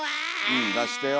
うん出してよ。